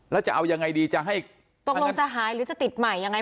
แล้วจะเอายังไงดีจะให้ตกลงจะหายหรือจะติดใหม่ยังไง